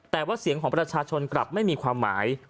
แต่ว่าเสียงของประชาชนกลับไม่มีความหมาย